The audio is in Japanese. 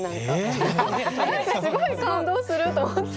何かすごい感動すると思って。